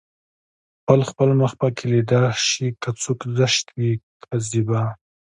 خپل خپل مخ پکې ليده شي که څوک زشت وي که زيبا